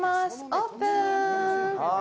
オープン！